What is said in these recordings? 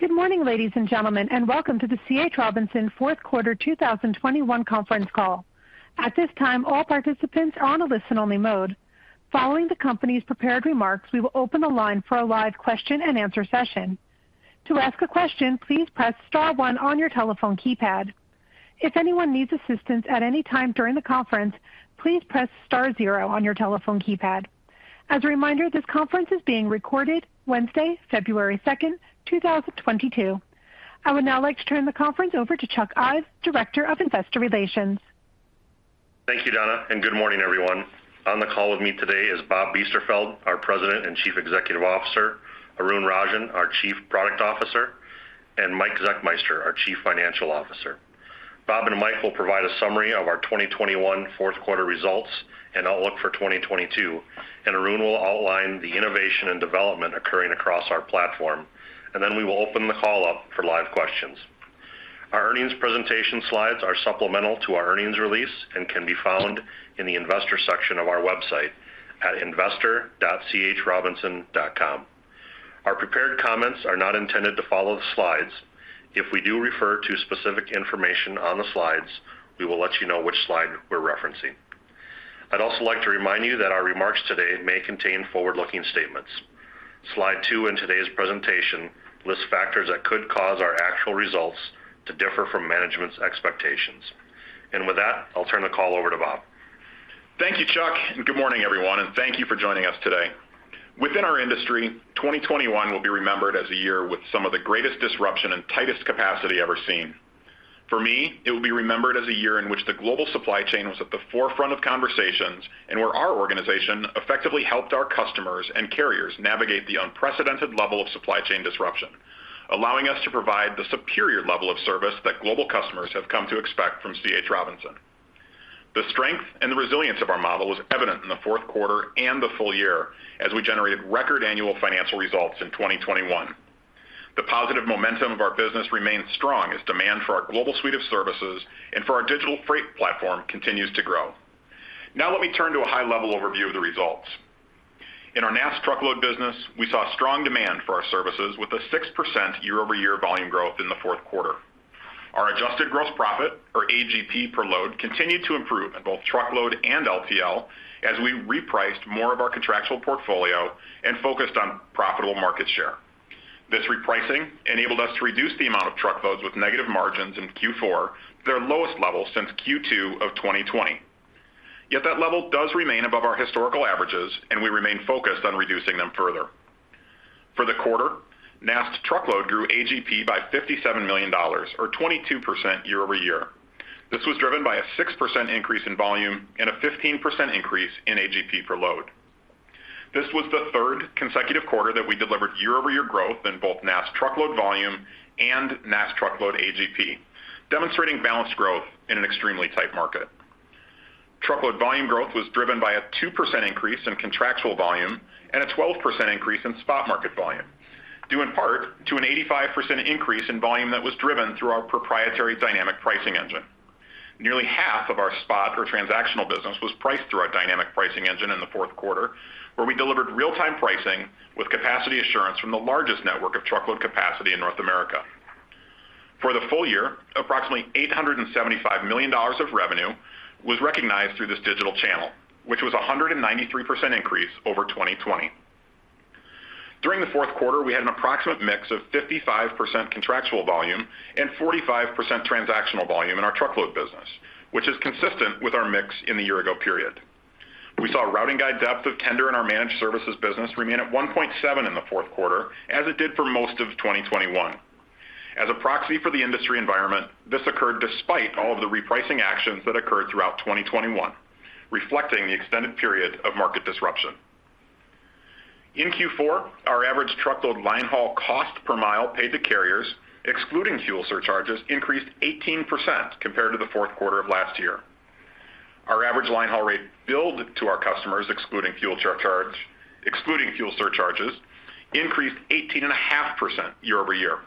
Good morning, ladies and gentlemen, and welcome to the C.H. Robinson fourth quarter 2021 conference call. At this time, all participants are on a listen-only mode. Following the company's prepared remarks, we will open the line for a live question-and-answer session. To ask a question, please press star one on your telephone keypad. If anyone needs assistance at any time during the conference, please press star zero on your telephone keypad. As a reminder, this conference is being recorded Wednesday, 2 February, 2022. I would now like to turn the conference over to Chuck Ives, Director of Investor Relations. Thank you, Donna, and good morning, everyone. On the call with me today is Bob Biesterfeld, our President and Chief Executive Officer, Arun Rajan, our Chief Product Officer, and Mike Zechmeister, our Chief Financial Officer. Bob and Mike will provide a summary of our 2021 fourth quarter results and outlook for 2022, and Arun will outline the innovation and development occurring across our platform. Then we will open the call up for live questions. Our earnings presentation slides are supplemental to our earnings release and can be found in the investor section of our website at investor.chrobinson.com. Our prepared comments are not intended to follow the slides. If we do refer to specific information on the slides, we will let you know which slide we're referencing. I'd also like to remind you that our remarks today may contain forward-looking statements. Slide two in today's presentation lists factors that could cause our actual results to differ from management's expectations. With that, I'll turn the call over to Bob. Thank you, Chuck, and good morning, everyone, and thank you for joining us today. Within our industry, 2021 will be remembered as a year with some of the greatest disruption and tightest capacity ever seen. For me, it will be remembered as a year in which the global supply chain was at the forefront of conversations and where our organization effectively helped our customers and carriers navigate the unprecedented level of supply chain disruption, allowing us to provide the superior level of service that global customers have come to expect from C.H. Robinson. The strength and the resilience of our model was evident in the fourth quarter and the full year as we generated record annual financial results in 2021. The positive momentum of our business remains strong as demand for our global suite of services and for our digital freight platform continues to grow. Now let me turn to a high-level overview of the results. In our NAST truckload business, we saw strong demand for our services with a 6% year-over-year volume growth in the fourth quarter. Our adjusted gross profit, or AGP per load, continued to improve in both truckload and LTL as we repriced more of our contractual portfolio and focused on profitable market share. This repricing enabled us to reduce the amount of truckloads with negative margins in Q4 to their lowest level since Q2 of 2020. Yet that level does remain above our historical averages, and we remain focused on reducing them further. For the quarter, NAST truckload grew AGP by $57 million, or 22% year-over-year. This was driven by a 6% increase in volume and a 15% increase in AGP per load. This was the third consecutive quarter that we delivered year-over-year growth in both NAST truckload volume and NAST truckload AGP, demonstrating balanced growth in an extremely tight market. Truckload volume growth was driven by a 2% increase in contractual volume and a 12% increase in spot market volume, due in part to an 85% increase in volume that was driven through our proprietary dynamic pricing engine. Nearly half of our spot or transactional business was priced through our dynamic pricing engine in the fourth quarter, where we delivered real-time pricing with capacity assurance from the largest network of truckload capacity in North America. For the full year, approximately $875 million of revenue was recognized through this digital channel, which was a 193% increase over 2020. During the fourth quarter, we had an approximate mix of 55% contractual volume and 45% transactional volume in our truckload business, which is consistent with our mix in the year ago period. We saw a routing guide depth of tender in our managed services business remain at 1.7 in the fourth quarter, as it did for most of 2021. As a proxy for the industry environment, this occurred despite all of the repricing actions that occurred throughout 2021, reflecting the extended period of market disruption. In Q4, our average truckload line haul cost per mile paid to carriers, excluding fuel surcharges, increased 18% compared to the fourth quarter of last year. Our average line haul rate billed to our customers, excluding fuel surcharges, increased 18.5% year-over-year.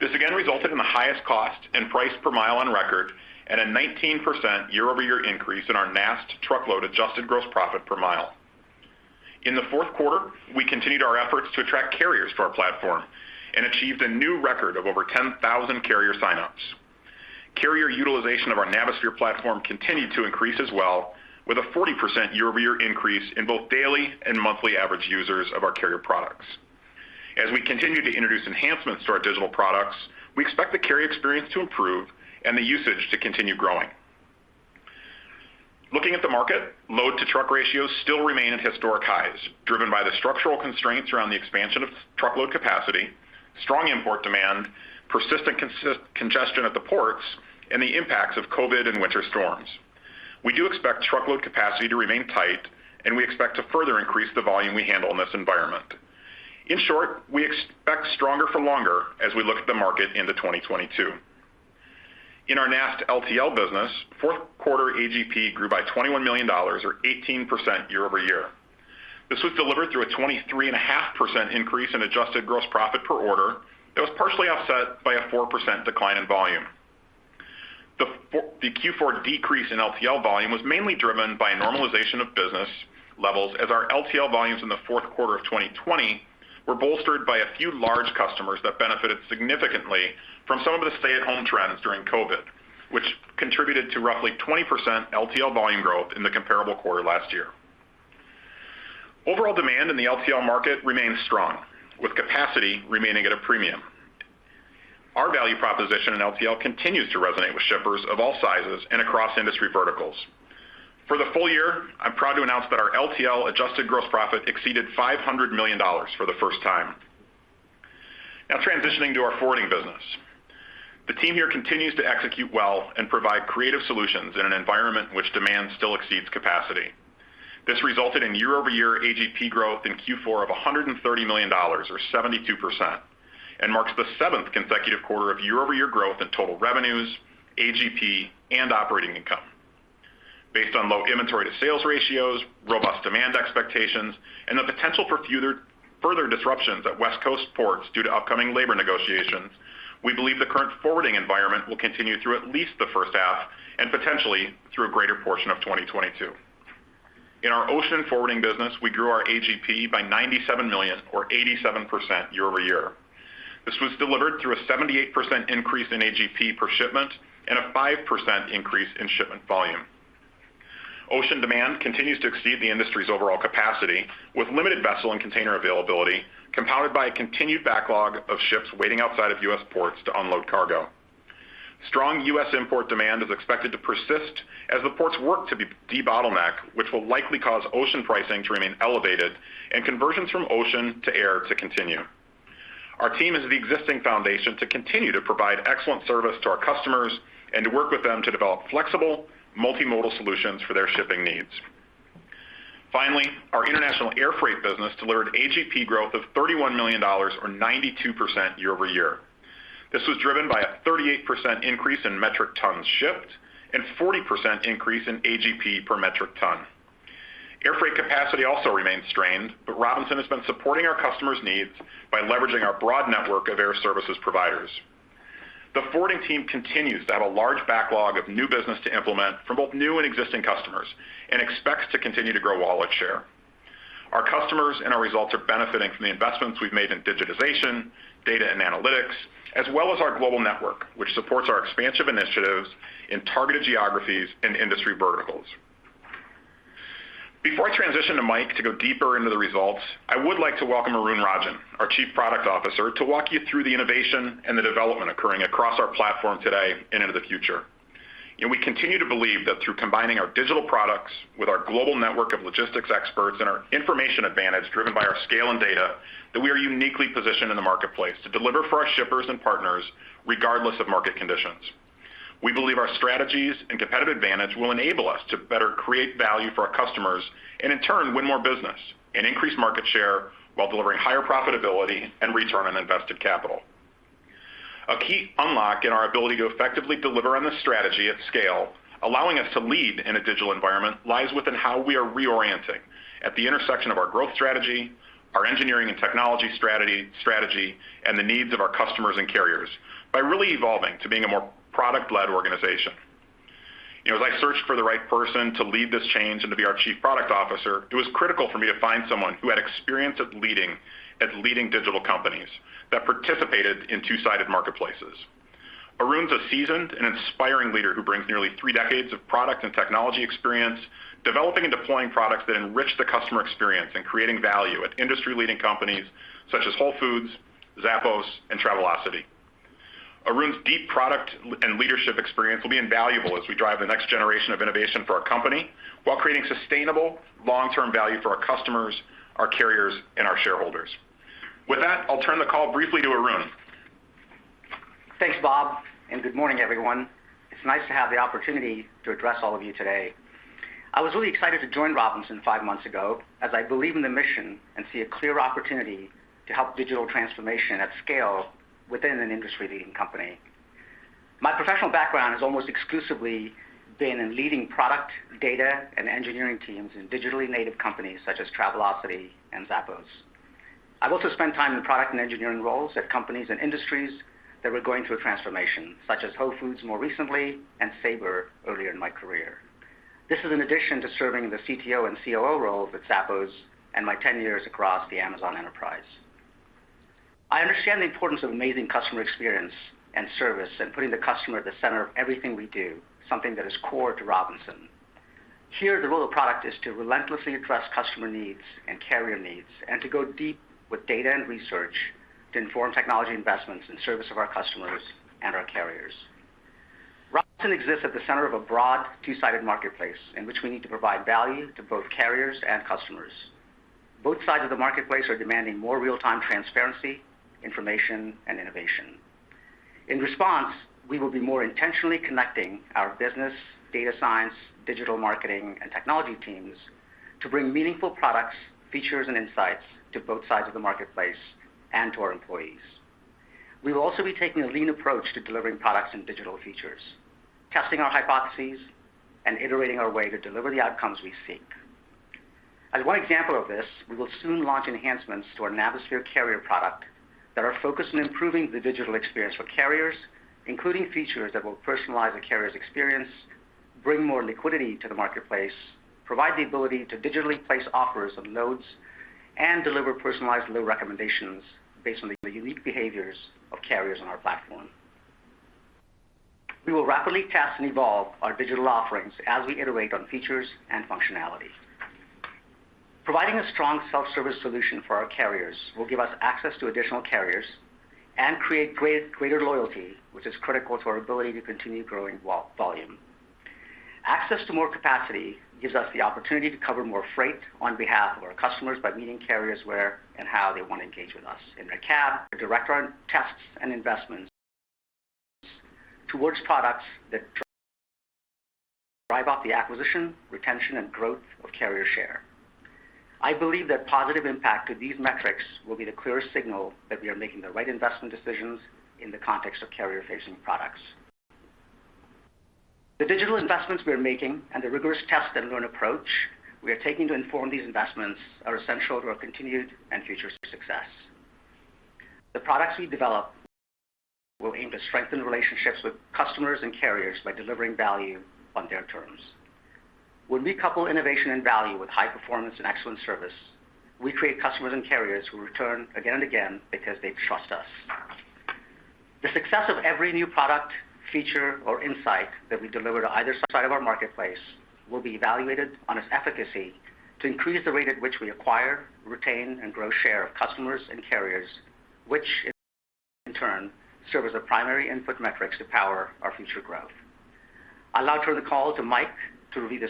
This again resulted in the highest cost and price per mile on record at a 19% year-over-year increase in our NAST truckload adjusted gross profit per mile. In the fourth quarter, we continued our efforts to attract carriers to our platform and achieved a new record of over 10,000 carrier sign-ups. Carrier utilization of our Navisphere platform continued to increase as well, with a 40% year-over-year increase in both daily and monthly average users of our carrier products. As we continue to introduce enhancements to our digital products, we expect the carrier experience to improve and the usage to continue growing. Looking at the market, load to truck ratios still remain at historic highs, driven by the structural constraints around the expansion of truckload capacity, strong import demand, persistent congestion at the ports, and the impacts of Covid and winter storms. We do expect truckload capacity to remain tight, and we expect to further increase the volume we handle in this environment. In short, we expect stronger for longer as we look at the market into 2022. In our NAST LTL business, fourth quarter AGP grew by $21 million, or 18% year-over-year. This was delivered through a 23.5% increase in adjusted gross profit per order that was partially offset by a 4% decline in volume. The Q4 decrease in LTL volume was mainly driven by normalization of business levels as our LTL volumes in the fourth quarter of 2020 were bolstered by a few large customers that benefited significantly from some of the stay-at-home trends during COVID, which contributed to roughly 20% LTL volume growth in the comparable quarter last year. Overall demand in the LTL market remains strong, with capacity remaining at a premium. Our value proposition in LTL continues to resonate with shippers of all sizes and across industry verticals. For the full year, I'm proud to announce that our LTL adjusted gross profit exceeded $500 million for the first time. Now transitioning to our forwarding business. The team here continues to execute well and provide creative solutions in an environment in which demand still exceeds capacity. This resulted in year-over-year AGP growth in Q4 of $130 million, or 72%, and marks the seventh consecutive quarter of year-over-year growth in total revenues, AGP, and operating income. Based on low inventory to sales ratios, robust demand expectations, and the potential for further disruptions at West Coast ports due to upcoming labor negotiations, we believe the current forwarding environment will continue through at least the first half and potentially through a greater portion of 2022. In our ocean forwarding business, we grew our AGP by $97 million, or 87% year-over-year. This was delivered through a 78% increase in AGP per shipment and a 5% increase in shipment volume. Ocean demand continues to exceed the industry's overall capacity with limited vessel and container availability, compounded by a continued backlog of ships waiting outside of U.S. ports to unload cargo. Strong U.S. import demand is expected to persist as the ports work to de-bottleneck, which will likely cause ocean pricing to remain elevated and conversions from ocean to air to continue. Our team has the existing foundation to continue to provide excellent service to our customers and to work with them to develop flexible multimodal solutions for their shipping needs. Finally, our international airfreight business delivered AGP growth of $31 million or 92% year-over-year. This was driven by a 38% increase in metric tons shipped and 40% increase in AGP per metric ton. Airfreight capacity also remains strained, but Robinson has been supporting our customers' needs by leveraging our broad network of air services providers. The forwarding team continues to have a large backlog of new business to implement from both new and existing customers and expects to continue to grow wallet share. Our customers and our results are benefiting from the investments we've made in digitization, data and analytics, as well as our global network, which supports our expansion initiatives in targeted geographies and industry verticals. Before I transition to Mike to go deeper into the results, I would like to welcome Arun Rajan, our Chief Product Officer, to walk you through the innovation and the development occurring across our platform today and into the future. We continue to believe that through combining our digital products with our global network of logistics experts and our information advantage driven by our scale and data, that we are uniquely positioned in the marketplace to deliver for our shippers and partners regardless of market conditions. We believe our strategies and competitive advantage will enable us to better create value for our customers and in turn, win more business and increase market share while delivering higher profitability and return on invested capital. A key unlock in our ability to effectively deliver on this strategy at scale, allowing us to lead in a digital environment, lies within how we are reorienting at the intersection of our growth strategy, our engineering and technology strategy, and the needs of our customers and carriers by really evolving to being a more product-led organization. You know, as I searched for the right person to lead this change and to be our Chief Product Officer, it was critical for me to find someone who had experience at leading digital companies that participated in two-sided marketplaces. Arun's a seasoned and inspiring leader who brings nearly three decades of product and technology experience, developing and deploying products that enrich the customer experience and creating value at industry-leading companies such as Whole Foods, Zappos, and Travelocity. Arun's deep product and leadership experience will be invaluable as we drive the next generation of innovation for our company while creating sustainable long-term value for our customers, our carriers, and our shareholders. With that, I'll turn the call briefly to Arun. Thanks, Bob, and good morning, everyone. It's nice to have the opportunity to address all of you today. I was really excited to join Robinson five months ago as I believe in the mission and see a clear opportunity to help digital transformation at scale within an industry-leading company. My professional background has almost exclusively been in leading product, data, and engineering teams in digitally native companies such as Travelocity and Zappos. I've also spent time in product and engineering roles at companies and industries that were going through a transformation, such as Whole Foods more recently and Sabre earlier in my career. This is in addition to serving the CTO and COO roles at Zappos and my 10 years across the Amazon enterprise. I understand the importance of amazing customer experience and service and putting the customer at the center of everything we do, something that is core to C.H. Robinson. Here, the role of product is to relentlessly address customer needs and carrier needs and to go deep with data and research to inform technology investments in service of our customers and our carriers. C.H. Robinson exists at the center of a broad two-sided marketplace in which we need to provide value to both carriers and customers. Both sides of the marketplace are demanding more real-time transparency, information, and innovation. In response, we will be more intentionally connecting our business, data science, digital marketing, and technology teams to bring meaningful products, features, and insights to both sides of the marketplace and to our employees. We will also be taking a lean approach to delivering products and digital features, testing our hypotheses, and iterating our way to deliver the outcomes we seek. As one example of this, we will soon launch enhancements to our Navisphere carrier product that are focused on improving the digital experience for carriers, including features that will personalize a carrier's experience, bring more liquidity to the marketplace, provide the ability to digitally place offers of loads, and deliver personalized load recommendations based on the unique behaviors of carriers on our platform. We will rapidly test and evolve our digital offerings as we iterate on features and functionality. Providing a strong self-service solution for our carriers will give us access to additional carriers and create greater loyalty, which is critical to our ability to continue growing volume. Access to more capacity gives us the opportunity to cover more freight on behalf of our customers by meeting carriers where and how they want to engage with us. In a cab, we direct our tests and investments towards products that drive up the acquisition, retention, and growth of carrier share. I believe that positive impact to these metrics will be the clearest signal that we are making the right investment decisions in the context of carrier-facing products. The digital investments we are making and the rigorous test-and-learn approach we are taking to inform these investments are essential to our continued and future success. The products we develop will aim to strengthen relationships with customers and carriers by delivering value on their terms. When we couple innovation and value with high performance and excellent service, we create customers and carriers who return again and again because they trust us. The success of every new product, feature, or insight that we deliver to either side of our marketplace will be evaluated on its efficacy to increase the rate at which we acquire, retain, and grow share of customers and carriers, which in turn serve as the primary input metrics to power our future growth. I'll now turn the call to Mike to review the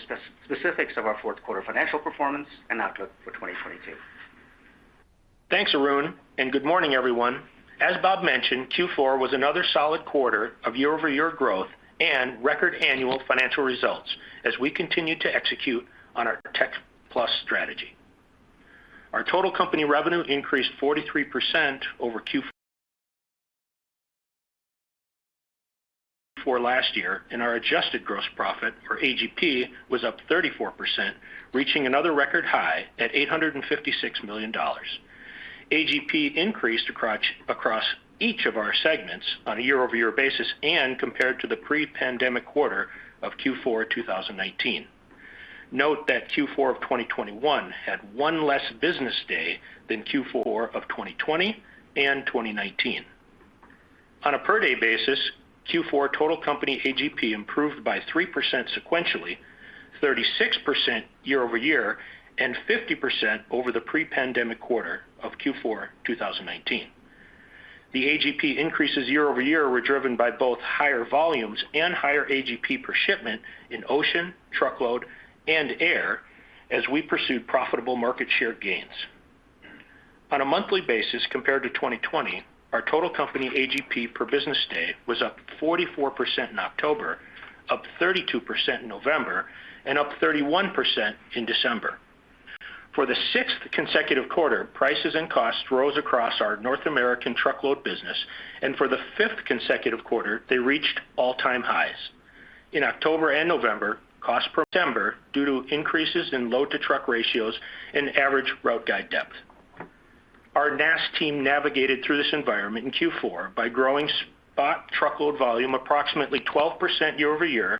specifics of our fourth quarter financial performance and outlook for 2022. Thanks, Arun, and good morning, everyone. As Bob mentioned, Q4 was another solid quarter of year-over-year growth and record annual financial results as we continue to execute on our Tech Plus strategy. Our total company revenue increased 43% over Q4 last year, and our adjusted gross profit, or AGP, was up 34%, reaching another record high at $856 million. AGP increased across each of our segments on a year-over-year basis and compared to the pre-pandemic quarter of Q4 2019. Note that Q4 2021 had one less business day than Q4 2020 and 2019. On a per-day basis, Q4 total company AGP improved by 3% sequentially, 36% year-over-year, and 50% over the pre-pandemic quarter of Q4 2019. The AGP increases year-over-year were driven by both higher volumes and higher AGP per shipment in ocean, truckload, and air as we pursue profitable market share gains. On a monthly basis compared to 2020, our total company AGP per business day was up 44% in October, up 32% in November, and up 31% in December. For the sixth consecutive quarter, prices and costs rose across our North American truckload business, and for the fifth consecutive quarter, they reached all-time highs. In October and November, costs per mile rose due to increases in load-to-truck ratios and average length of haul. Our NAST team navigated through this environment in Q4 by growing spot truckload volume approximately 12% year-over-year,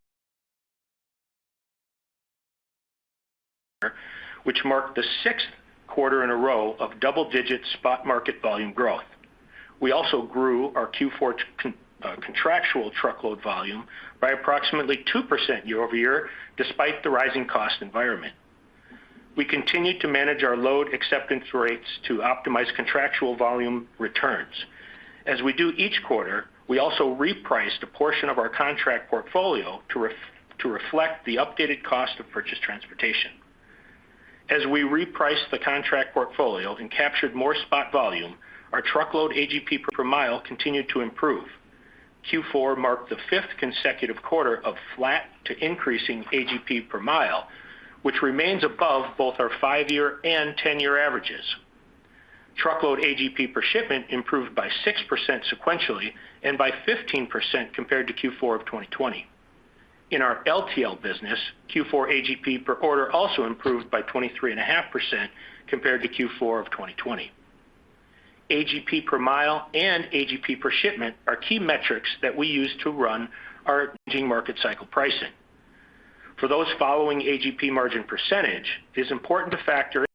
which marked the sixth quarter in a row of double-digit spot market volume growth. We also grew our Q4 contractual truckload volume by approximately 2% year-over-year despite the rising cost environment. We continued to manage our load acceptance rates to optimize contractual volume returns. As we do each quarter, we also repriced a portion of our contract portfolio to reflect the updated cost of purchase transportation. As we repriced the contract portfolio and captured more spot volume, our truckload AGP per mile continued to improve. Q4 marked the fifth consecutive quarter of flat to increasing AGP per mile, which remains above both our five-year and ten-year averages. Truckload AGP per shipment improved by 6% sequentially and by 15% compared to Q4 of 2020. In our LTL business, Q4 AGP per order also improved by 23.5% compared to Q4 of 2020. AGP per mile and AGP per shipment are key metrics that we use to run our changing market cycle pricing. For those following AGP margin percentage, it is important to factor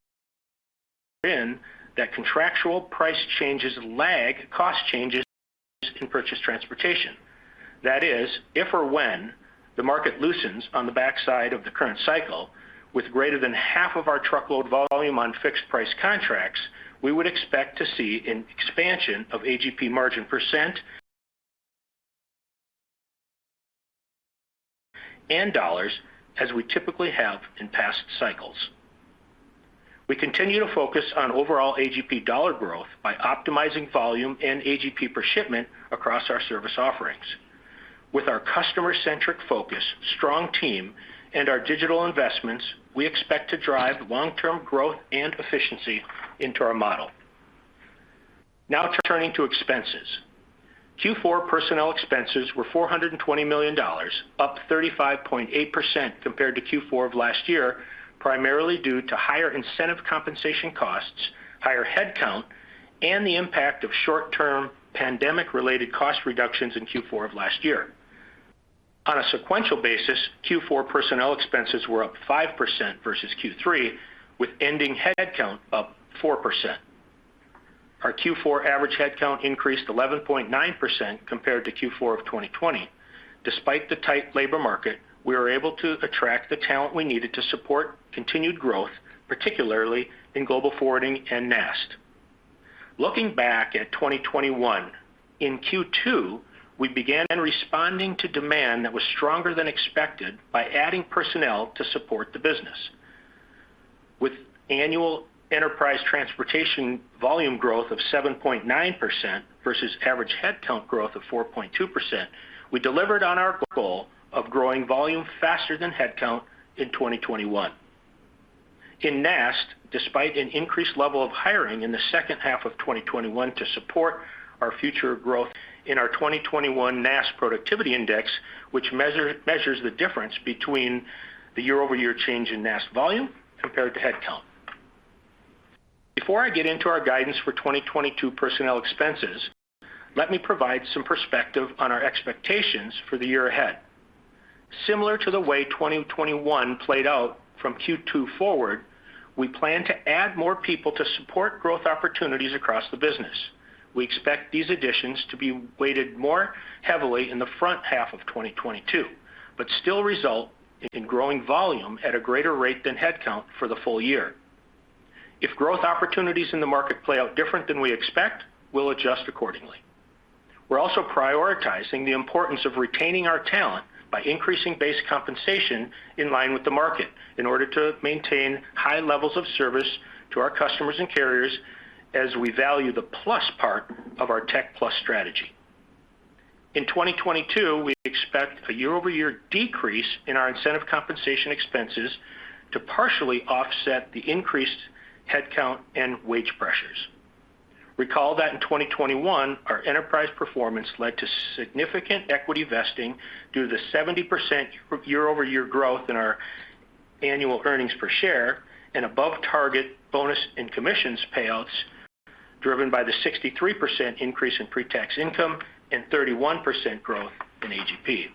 in that contractual price changes lag cost changes in purchase transportation. That is, if or when the market loosens on the backside of the current cycle with greater than half of our truckload volume on fixed price contracts, we would expect to see an expansion of AGP margin percent and dollars as we typically have in past cycles. We continue to focus on overall AGP dollar growth by optimizing volume and AGP per shipment across our service offerings. With our customer-centric focus, strong team, and our digital investments, we expect to drive long-term growth and efficiency into our model. Now turning to expenses. Q4 personnel expenses were $420 million, up 35.8% compared to Q4 of last year, primarily due to higher incentive compensation costs, higher headcount, and the impact of short-term pandemic-related cost reductions in Q4 of last year. On a sequential basis, Q4 personnel expenses were up 5% versus Q3, with ending headcount up 4%. Our Q4 average headcount increased 11.9% compared to Q4 of 2020. Despite the tight labor market, we were able to attract the talent we needed to support continued growth, particularly in global forwarding and NAST. Looking back at 2021, in Q2, we began responding to demand that was stronger than expected by adding personnel to support the business. With annual enterprise transportation volume growth of 7.9% versus average headcount growth of 4.2%, we delivered on our goal of growing volume faster than headcount in 2021. In NAST, despite an increased level of hiring in the second half of 2021 to support our future growth in our 2021 NAST productivity index, which measures the difference between the year-over-year change in NAST volume compared to headcount. Before I get into our guidance for 2022 personnel expenses, let me provide some perspective on our expectations for the year ahead. Similar to the way 2021 played out from Q2 forward, we plan to add more people to support growth opportunities across the business. We expect these additions to be weighted more heavily in the front half of 2022, but still result in growing volume at a greater rate than headcount for the full year. If growth opportunities in the market play out different than we expect, we'll adjust accordingly. We're also prioritizing the importance of retaining our talent by increasing base compensation in line with the market in order to maintain high levels of service to our customers and carriers as we value the plus part of our tech plus strategy. In 2022, we expect a year-over-year decrease in our incentive compensation expenses to partially offset the increased headcount and wage pressures. Recall that in 2021, our enterprise performance led to significant equity vesting due to the 70% year-over-year growth in our annual earnings per share and above target bonus and commissions payouts, driven by the 63% increase in pre-tax income and 31% growth in AGP.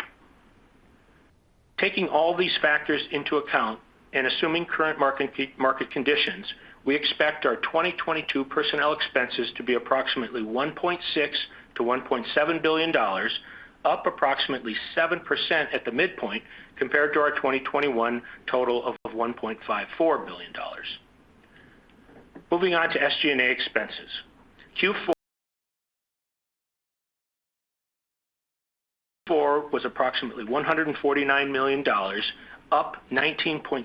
Taking all these factors into account and assuming current market conditions, we expect our 2022 personnel expenses to be approximately $1.6- 1.7 billion, up approximately 7% at the midpoint compared to our 2021 total of $1.54 billion. Moving on to SG&A expenses. Q4 was approximately $149 million, up 19.6%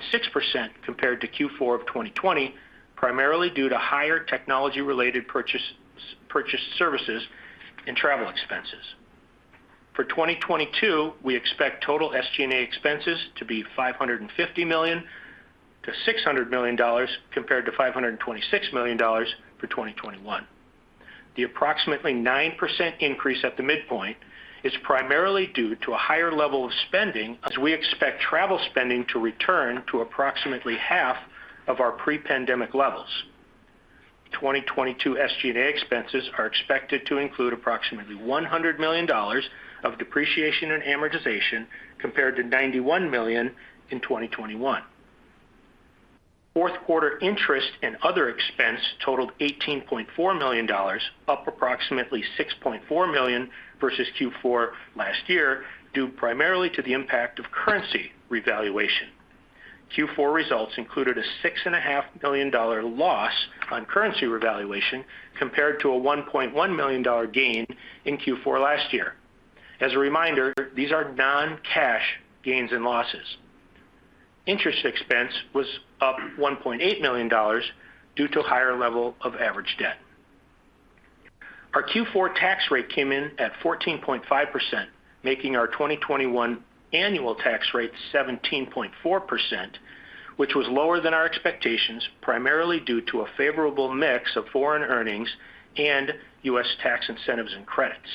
compared to Q4 of 2020, primarily due to higher technology-related purchased services and travel expenses. For 2022, we expect total SG&A expenses to be $550 - 600 million compared to $526 million for 2021. The approximately 9% increase at the midpoint is primarily due to a higher level of spending as we expect travel spending to return to approximately half of our pre-pandemic levels. 2022 SG&A expenses are expected to include approximately $100 million of depreciation and amortization compared to $91 million in 2021. Fourth quarter interest and other expense totaled $18.4 million, up approximately $6.4 million versus Q4 last year, due primarily to the impact of currency revaluation. Q4 results included a $6.5 million loss on currency revaluation compared to a $1.1 million gain in Q4 last year. As a reminder, these are non-cash gains and losses. Interest expense was up $1.8 million due to a higher level of average debt. Our Q4 tax rate came in at 14.5%, making our 2021 annual tax rate 17.4%, which was lower than our expectations, primarily due to a favorable mix of foreign earnings and U.S. tax incentives and credits.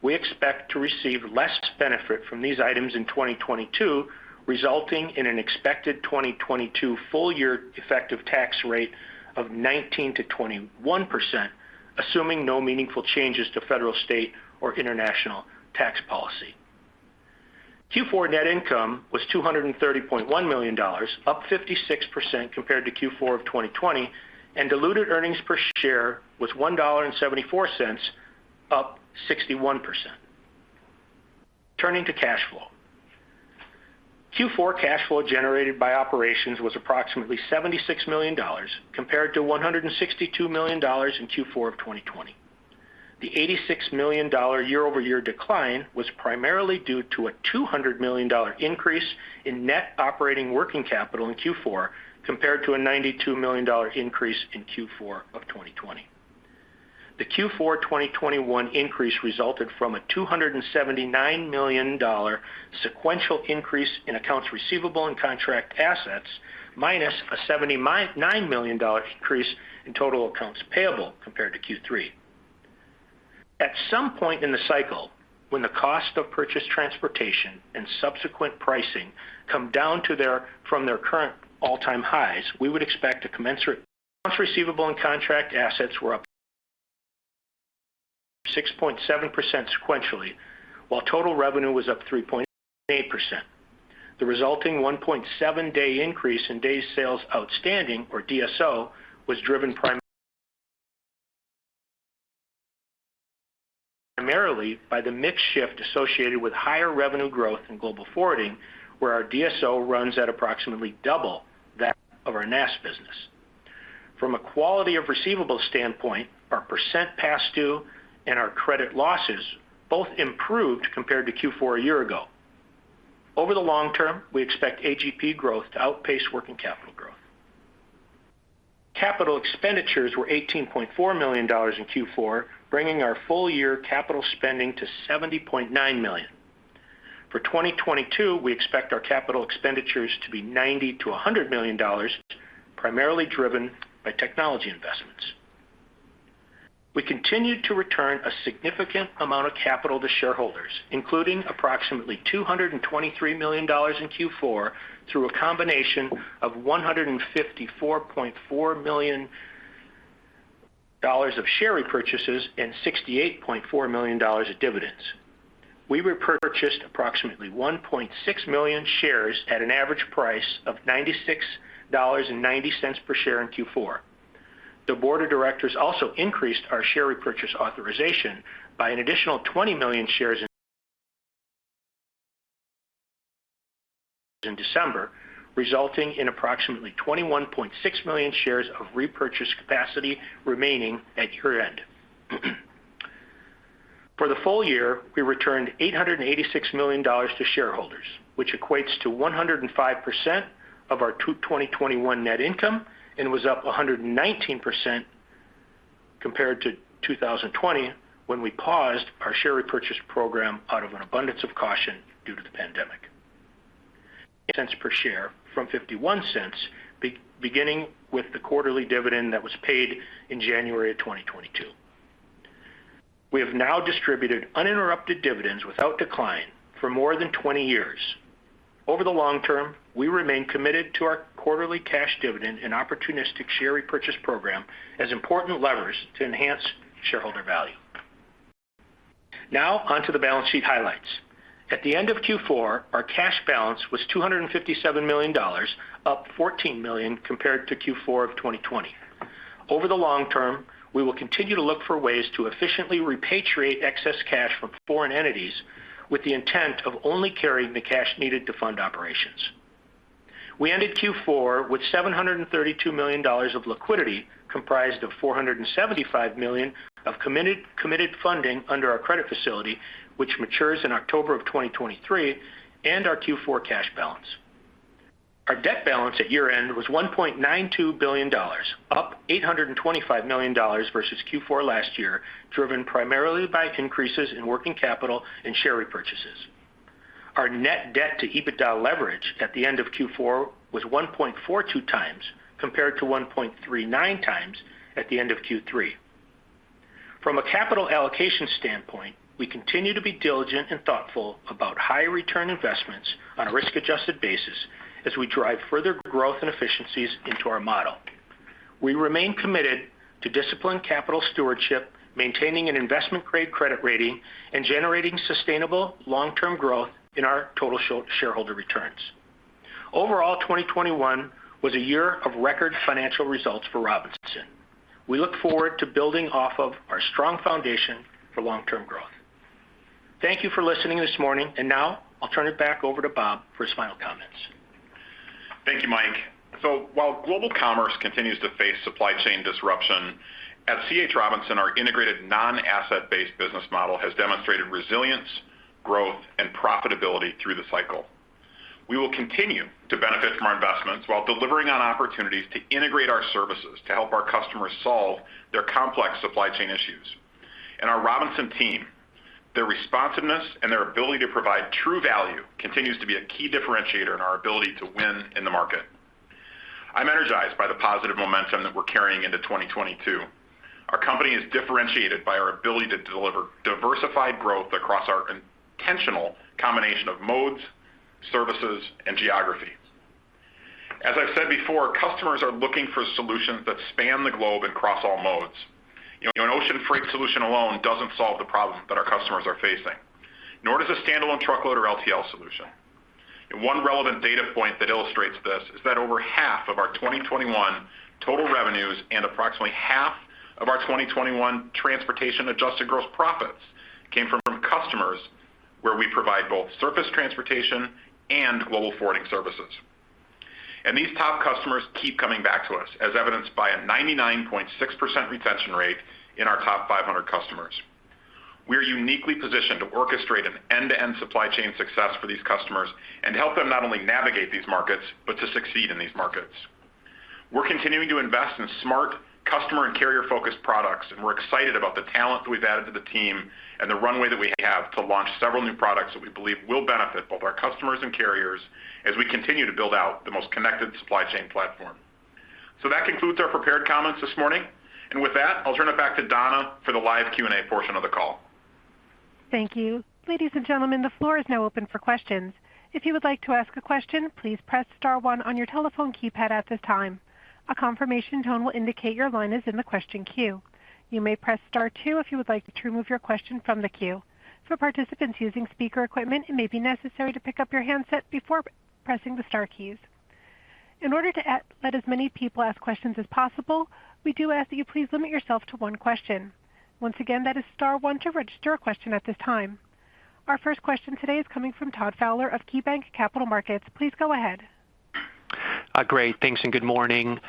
We expect to receive less benefit from these items in 2022, resulting in an expected 2022 full-year effective tax rate of 19%-21%, assuming no meaningful changes to federal, state, or international tax policy. Q4 net income was $230.1 million, up 56% compared to Q4 of 2020, and diluted earnings per share was $1.74, up 61%. Turning to cash flow. Q4 cash flow generated by operations was approximately $76 million compared to $162 million in Q4 of 2020. The $86 million year-over-year decline was primarily due to a $200 million increase in net operating working capital in Q4 compared to a $92 million increase in Q4 of 2020. The Q4 2021 increase resulted from a $279 million sequential increase in accounts receivable and contract assets, minus a $79 million increase in total accounts payable compared to Q3. At some point in the cycle when the cost of purchase transportation and subsequent pricing come down to their, from their current all-time highs, we would expect a commensurate. receivable and contract assets were up 6.7% sequentially, while total revenue was up 3.8%. The resulting 1.7-day increase in days sales outstanding or DSO was driven primarily by the mix shift associated with higher revenue growth in global forwarding, where our DSO runs at approximately double that of our NAST business. From a quality of receivable standpoint, our % past due and our credit losses both improved compared to Q4 a year ago. Over the long term, we expect AGP growth to outpace working capital growth. Capital expenditures were $18.4 million in Q4, bringing our full year capital spending to $70.9 million. For 2022, we expect our capital expenditures to be $90-100 million, primarily driven by technology investments. We continued to return a significant amount of capital to shareholders, including approximately $223 million in Q4 through a combination of $154.4 million of share repurchases and $68.4 million of dividends. We repurchased approximately 1.6 million shares at an average price of $96.90 per share in Q4. The board of directors also increased our share repurchase authorization by an additional 20 million shares in December, resulting in approximately 21.6 million shares of repurchase capacity remaining at year-end. For the full year, we returned $886 million to shareholders, which equates to 105% of our 2021 net income, and was up 119% compared to 2020 when we paused our share repurchase program out of an abundance of caution due to the pandemic. Cents per share from 51 cents beginning with the quarterly dividend that was paid in January 2022. We have now distributed uninterrupted dividends without decline for more than 20 years. Over the long term, we remain committed to our quarterly cash dividend and opportunistic share repurchase program as important levers to enhance shareholder value. Now on to the balance sheet highlights. At the end of Q4, our cash balance was $257 million, up $14 million compared to Q4 of 2020. Over the long term, we will continue to look for ways to efficiently repatriate excess cash from foreign entities with the intent of only carrying the cash needed to fund operations. We ended Q4 with $732 million of liquidity, comprised of $475 million of committed funding under our credit facility, which matures in October 2023, and our Q4 cash balance. Our debt balance at year-end was $1.92 billion, up $825 million versus Q4 last year, driven primarily by increases in working capital and share repurchases. Our net debt to EBITDA leverage at the end of Q4 was 1.42x compared to 1.39x at the end of Q3. From a capital allocation standpoint, we continue to be diligent and thoughtful about high return investments on a risk adjusted basis as we drive further growth and efficiencies into our model. We remain committed to disciplined capital stewardship, maintaining an investment grade credit rating, and generating sustainable long-term growth in our total shareholder returns. Overall, 2021 was a year of record financial results for Robinson. We look forward to building off of our strong foundation for long-term growth. Thank you for listening this morning. Now I'll turn it back over to Bob for his final comments. Thank you, Mike. While global commerce continues to face supply chain disruption, at C.H. Robinson, our integrated non-asset-based business model has demonstrated resilience, growth, and profitability through the cycle. We will continue to benefit from our investments while delivering on opportunities to integrate our services to help our customers solve their complex supply chain issues. Our Robinson team, their responsiveness and their ability to provide true value continues to be a key differentiator in our ability to win in the market. I'm energized by the positive momentum that we're carrying into 2022. Our company is differentiated by our ability to deliver diversified growth across our intentional combination of modes, services, and geographies. As I've said before, customers are looking for solutions that span the globe and cross all modes. An ocean freight solution alone doesn't solve the problem that our customers are facing, nor does a standalone truckload or LTL solution. One relevant data point that illustrates this is that over half of our 2021 total revenues and approximately half of our 2021 transportation adjusted gross profits came from customers where we provide both surface transportation and global forwarding services. These top customers keep coming back to us, as evidenced by a 99.6% retention rate in our top 500 customers. We are uniquely positioned to orchestrate an end-to-end supply chain success for these customers and help them not only navigate these markets, but to succeed in these markets. We're continuing to invest in smart customer and carrier focused products, and we're excited about the talent that we've added to the team and the runway that we have to launch several new products that we believe will benefit both our customers and carriers as we continue to build out the most connected supply chain platform. That concludes our prepared comments this morning. With that, I'll turn it back to Donna for the live Q&A portion of the call. Thank you. Ladies and gentlemen, the floor is now open for questions. If you would like to ask a question, please press star one on your telephone keypad at this time. A confirmation tone will indicate your line is in the question queue. You may press star two if you would like to remove your question from the queue. For participants using speaker equipment, it may be necessary to pick up your handset before pressing the star keys. In order to allow as many people ask questions as possible, we do ask that you please limit yourself to one question. Once again, that is star one to register a question at this time. Our first question today is coming from Todd Fowler of KeyBanc Capital Markets. Please go ahead. Great. Thanks, and good morning.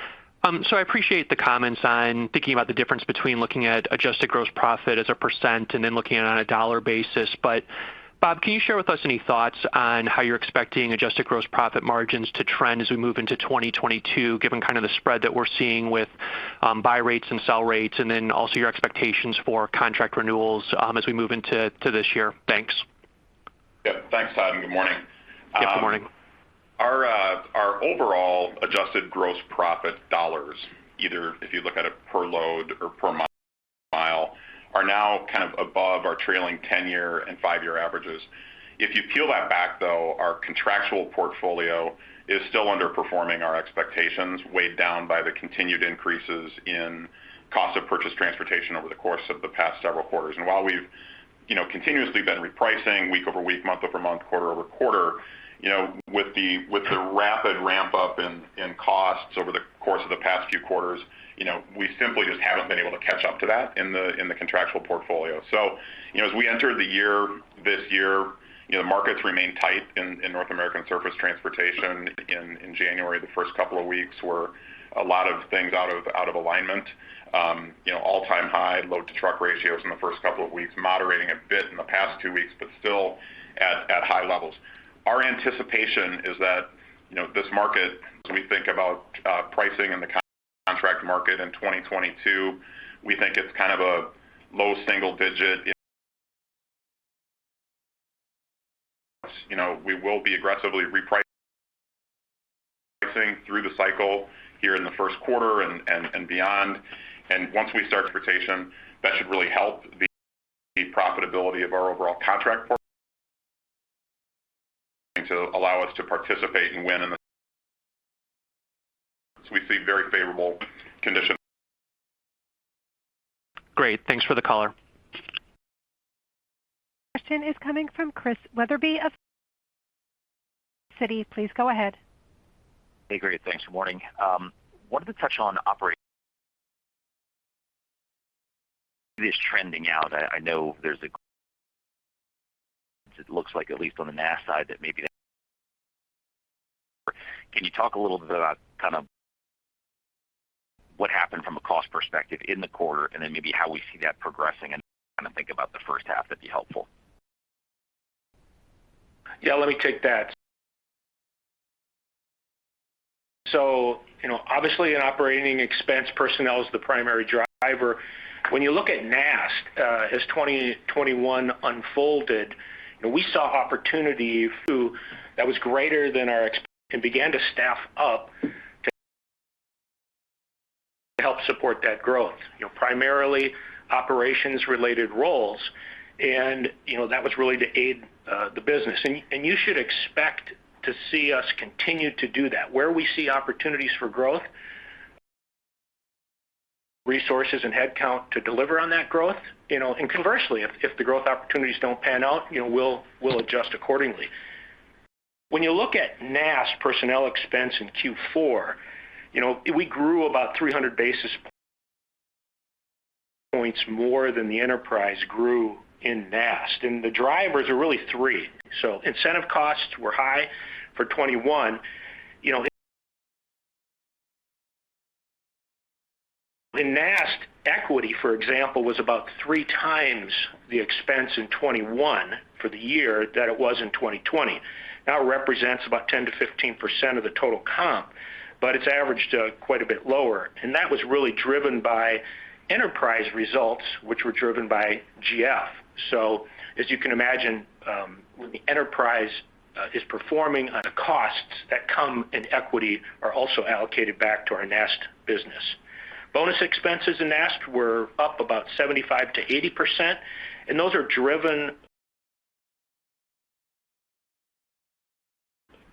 I appreciate the comments on thinking about the difference between looking at Adjusted Gross Profit as a percent and then looking at it on a dollar basis. Bob, can you share with us any thoughts on how you're expecting Adjusted Gross Profit margins to trend as we move into 2022, given the spread that we're seeing with buy rates and sell rates, and then also your expectations for contract renewals as we move into this year? Thanks. Yep. Thanks, Todd, and good morning. Yep, good morning. Our overall adjusted gross profit dollars, either if you look at it per load or per mile, are now kind of above our trailing 10-year and five-year averages. If you peel that back, though, our contractual portfolio is still underperforming our expectations, weighed down by the continued increases in cost of purchased transportation over the course of the past several quarters. While we've, you know, continuously been repricing week-over-week, month-over-month, quarter-over-quarter, you know, with the rapid ramp-up in costs over the course of the past few quarters, you know, we simply just haven't been able to catch up to that in the contractual portfolio. You know, as we enter the year, this year, you know, markets remain tight in North American Surface Transportation. In January, the first couple of weeks were a lot of things out of alignment. You know, all-time high load to truck ratios in the first couple of weeks, moderating a bit in the past two weeks, but still at high levels. Our anticipation is that, you know, this market, as we think about pricing in the contract market in 2022, we think it's kind of a low single digit increase. You know, we will be aggressively repricing through the cycle here in the first quarter and beyond. Once we start transportation, that should really help the profitability of our overall contract portfolio to allow us to participate and win. We see very favorable conditions. Great. Thanks for the color. Question is coming from Christian Wetherbee of Citi. Please go ahead. Hey, great. Thanks. Morning. I wanted to touch on operating. This trending out. I know. It looks like at least on the NAST side that maybe. Can you talk a little bit about kind of what happened from a cost perspective in the quarter and then maybe how we see that progressing and kind of think about the first half? That'd be helpful. Yeah, let me take that. You know, obviously in operating expense, personnel is the primary driver. When you look at NAST, as 2021 unfolded, we saw opportunity that was greater than our expectations and began to staff up to help support that growth. You know, primarily operations-related roles. You know, that was really to aid the business. You should expect to see us continue to do that. Where we see opportunities for growth, resources, and headcount to deliver on that growth, you know. Conversely, if the growth opportunities don't pan out, you know, we'll adjust accordingly. When you look at NAST personnel expense in Q4, you know, we grew about 300 basis points more than the enterprise grew in NAST. The drivers are really three. Incentive costs were high for 2021. You know. In NAST, equity, for example, was about 3x the expense in 2021 for the year that it was in 2020. Now it represents about 10%-15% of the total comp, but it's averaged quite a bit lower. That was really driven by enterprise results, which were driven by GF. As you can imagine, when the enterprise is performing, once those costs that come in, equity are also allocated back to our NAST business. Bonus expenses in NAST were up about 75%-80%. Those are driven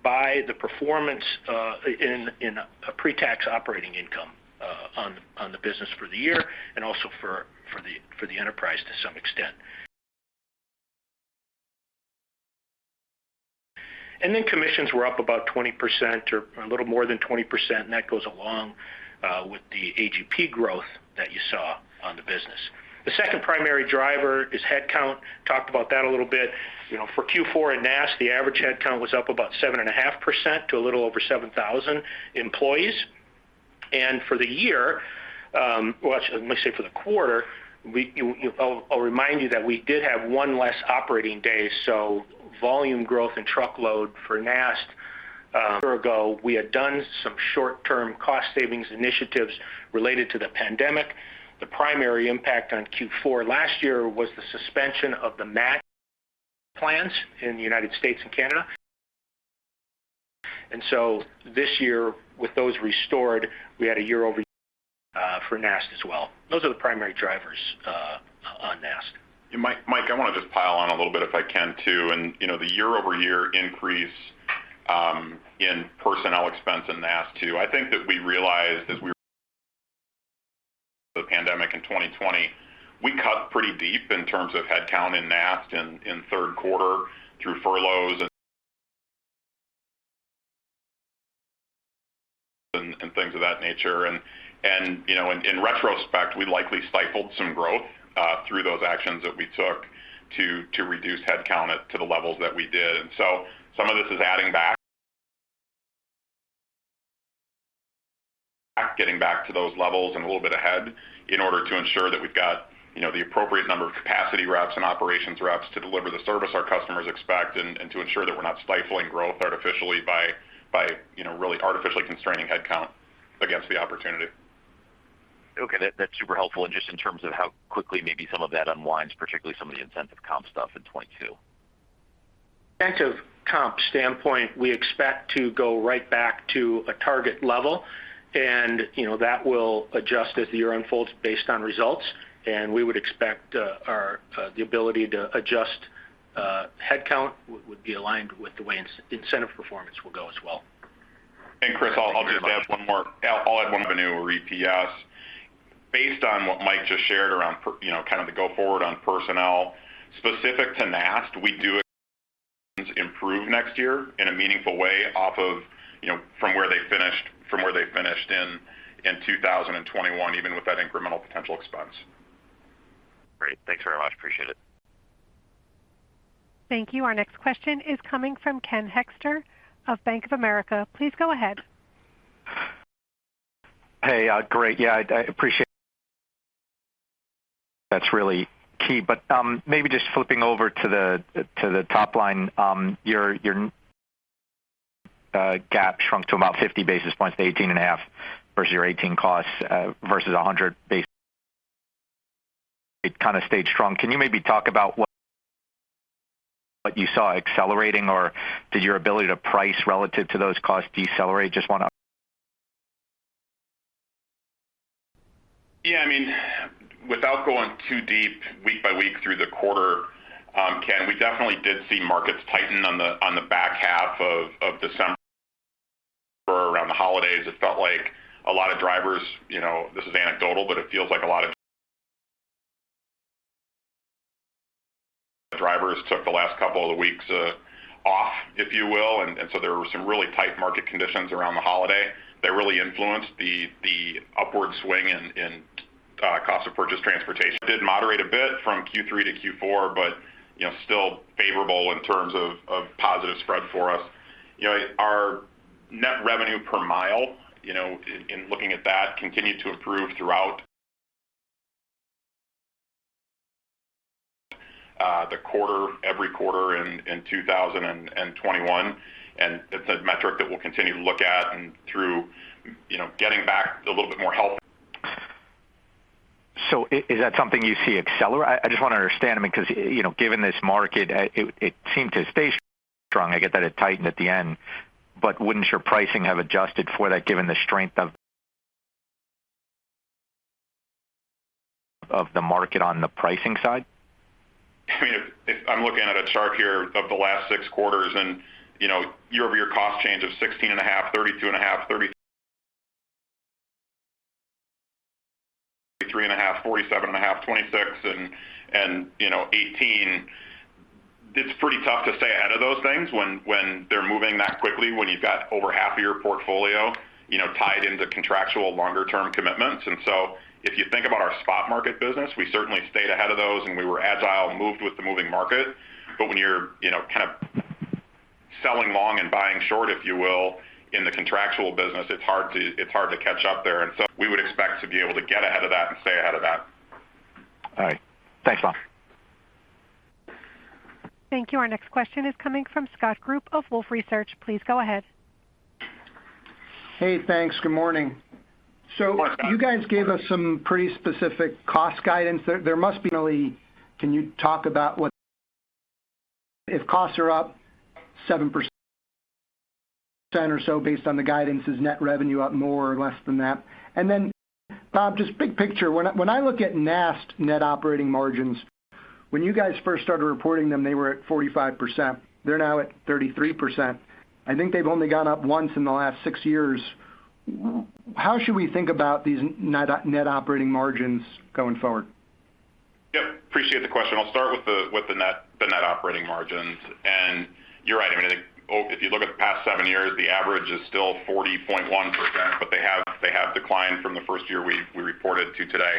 by the performance in pre-tax operating income on the business for the year and also for the enterprise to some extent. Commissions were up about 20% or a little more than 20%, and that goes along with the AGP growth that you saw on the business. The second primary driver is headcount. Talked about that a little bit. You know, for Q4 at NAST, the average headcount was up about 7.5% to a little over 7,000 employees. For the year, let me say for the quarter, I'll remind you that we did have one less operating day, so volume growth and truckload for NAST. A year ago, we had done some short-term cost savings initiatives related to the pandemic. The primary impact on Q4 last year was the suspension of the match plans in the United States and Canada. This year, with those restored, we had a year-over-year for NAST as well. Those are the primary drivers, on NAST. Mike, I wanna just pile on a little bit if I can, too. You know, the year-over-year increase in personnel expense in NAST, too. I think that we realized as we weathered the pandemic in 2020, we cut pretty deep in terms of headcount in NAST in third quarter through furloughs and things of that nature. You know, in retrospect, we likely stifled some growth through those actions that we took to reduce headcount to the levels that we did. Some of this is adding back getting back to those levels and a little bit ahead in order to ensure that we've got, you know, the appropriate number of capacity reps and operations reps to deliver the service our customers expect, and to ensure that we're not stifling growth artificially by, you know, really artificially constraining headcount against the opportunity. Okay. That's super helpful. Just in terms of how quickly maybe some of that unwinds, particularly some of the incentive comp stuff in 2022. Incentive comp standpoint, we expect to go right back to a target level. You know, that will adjust as the year unfolds based on results. We would expect the ability to adjust headcount would be aligned with the way incentive performance will go as well. Chris, I'll just add one more. Yeah, I'll add one more on EPS. Based on what Mike just shared around you know, kind of the go forward on personnel, specific to NAST, we do improve next year in a meaningful way off of, you know, from where they finished in 2021, even with that incremental potential expense. Great. Thanks very much. Appreciate it. Thank you. Our next question is coming from Ken Hoexter of Bank of America. Please go ahead. Hey. Great. Yeah, I appreciate that's really key. Maybe just flipping over to the top line, your gap shrunk to about 50 basis points to 18.5% versus your 18% costs, versus 100 basis points it kinda stayed strong. Can you maybe talk about what you saw accelerating or did your ability to price relative to those costs decelerate? Just wanna Yeah, I mean, without going too deep week by week through the quarter, Ken, we definitely did see markets tighten on the back half of December around the holidays. It felt like a lot of drivers, you know, this is anecdotal, but it feels like a lot of the drivers took the last couple of weeks off, if you will. There were some really tight market conditions around the holiday that really influenced the upward swing in cost of purchased transportation. It did moderate a bit from Q3 to Q4, but, you know, still favorable in terms of positive spread for us. You know, our net revenue per mile, you know, in looking at that, continued to improve throughout the quarter, every quarter in 2021. It's a metric that we'll continue to look at and through, you know, getting back a little bit more help. Is that something you see accelerate? I just wanna understand, I mean, 'cause, you know, given this market, it seemed to stay strong. I get that it tightened at the end, but wouldn't your pricing have adjusted for that given the strength of the market on the pricing side? I mean, if I'm looking at a chart here of the last six quarters and, you know, year-over-year cost change of 16.5%, 32.5%, 33.5%, 47.5%, 26%, and, you know, 18%. It's pretty tough to stay ahead of those things when they're moving that quickly, when you've got over half of your portfolio, you know, tied into contractual longer term commitments. If you think about our spot market business, we certainly stayed ahead of those, and we were agile and moved with the moving market. When you're, you know, kind of selling long and buying short, if you will, in the contractual business, it's hard to catch up there. We would expect to be able to get ahead of that and stay ahead of that. All right. Thanks, Bob. Thank you. Our next question is coming from Scott Group of Wolfe Research. Please go ahead. Hey, thanks. Good morning. Good morning. You guys gave us some pretty specific cost guidance. Can you talk about what if costs are up 7% or so based on the guidance? Is net revenue up more or less than that? Bob, just big picture, when I look at NAST net operating margins, when you guys first started reporting them, they were at 45%. They're now at 33%. I think they've only gone up once in the last six years. How should we think about these net operating margins going forward? Yep, appreciate the question. I'll start with the net operating margins. You're right. I mean, I think if you look at the past seven years, the average is still 40.1%, but they have declined from the first year we reported to today.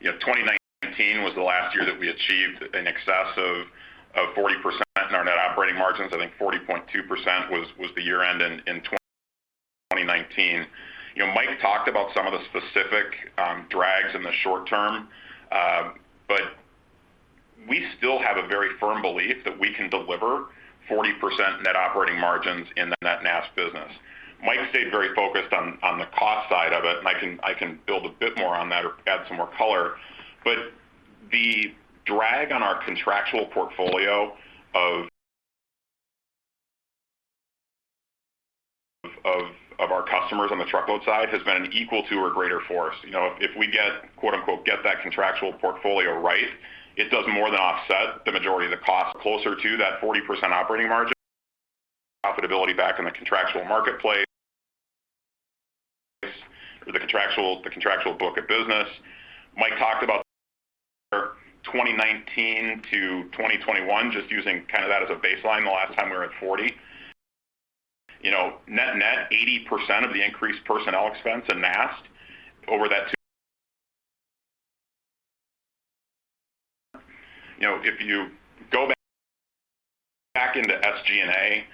You know, 2019 was the last year that we achieved in excess of 40% in our net operating margins. I think 40.2% was the year-end in 2019. You know, Mike talked about some of the specific drags in the short term. But we still have a very firm belief that we can deliver 40% net operating margins in the net NAST business. Mike stayed very focused on the cost side of it, and I can build a bit more on that or add some more color. But the drag on our contractual portfolio of our customers on the truckload side has been an equal to or greater force. You know, if we get, quote-unquote, get that contractual portfolio right, it does more than offset the majority of the cost closer to that 40% operating margin. Profitability back in the contractual marketplace. The contractual book of business. Mike talked about 2019 to 2021 just using kind of that as a baseline the last time we were at 40. You know, net net, 80% of the increased personnel expense in NAST over that two. You know, if you go back into SG&A,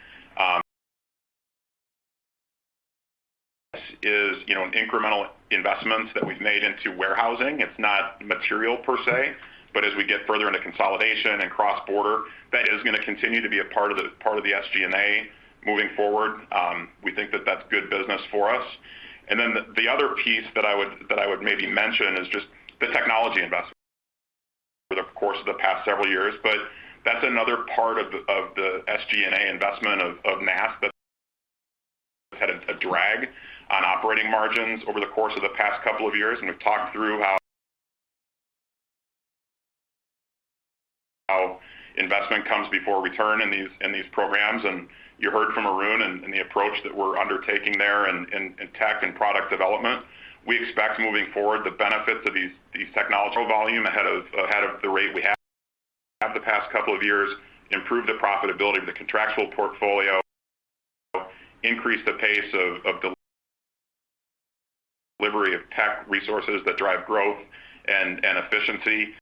is incremental investments that we've made into warehousing. It's not material per se, but as we get further into consolidation and cross-border, that is gonna continue to be a part of the SG&A moving forward. We think that that's good business for us. The other piece that I would maybe mention is just the technology investments over the course of the past several years. That's another part of the SG&A investment of NAST that had a drag on operating margins over the course of the past couple of years. We've talked through how investment comes before return in these programs. You heard from Arun and the approach that we're undertaking there in tech and product development. We expect moving forward the benefits of these technological volume ahead of the rate we have the past couple of years, improve the profitability of the contractual portfolio, increase the pace of delivery of tech resources that drive growth and efficiency.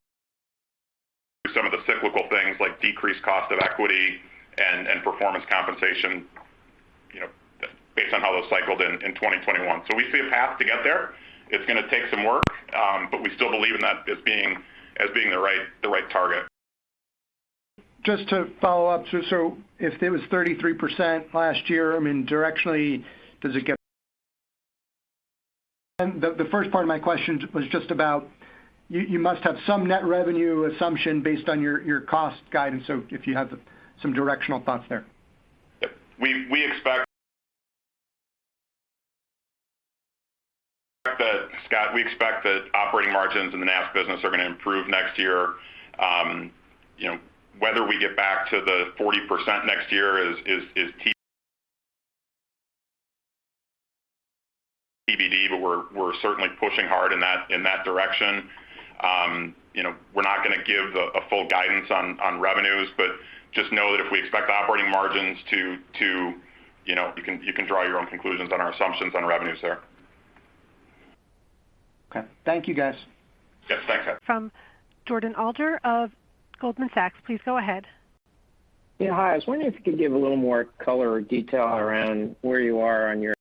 Some of the cyclical things like decreased cost of equity and performance compensation, you know, based on how those cycled in 2021. We see a path to get there. It's gonna take some work, but we still believe in that as being the right target. Just to follow up. If it was 33% last year, I mean, directionally, does it get? The first part of my question was just about you. You must have some net revenue assumption based on your cost guidance. If you have some directional thoughts there. Yep. We expect that, Scott, operating margins in the NAST business are gonna improve next year. You know, whether we get back to the 40% next year is TBD, but we're certainly pushing hard in that direction. You know, we're not gonna give the full guidance on revenues, but just know that if we expect operating margins to you know, you can draw your own conclusions on our assumptions on revenues there. Okay. Thank you, guys. Yes, thanks, Scott. From Jordan Alliger of Goldman Sachs, please go ahead. Yeah, hi. I was wondering if you could give a little more color or detail around where you are on your